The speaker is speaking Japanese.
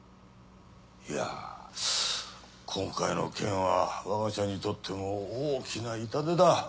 いやぁ今回の件は我が社にとっても大きな痛手だ。